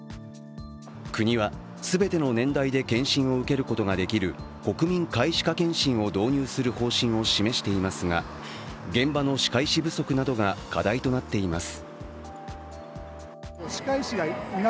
国は全ての年代で健診を受けることができる国民皆歯科健診を導入する方針を示していますが現場の歯科医師不足などが課題となっています。